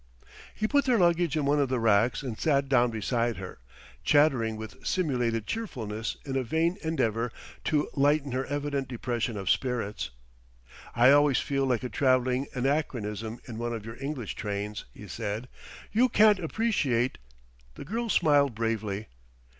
He put their luggage in one of the racks and sat down beside her, chattering with simulated cheerfulness in a vain endeavor to lighten her evident depression of spirit. "I always feel like a traveling anachronism in one of your English trains," he said. "You can't appreciate " The girl smiled bravely....